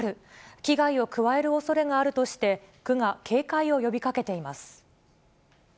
危害を加えるおそれがあるとして、区が警戒を呼びかけています。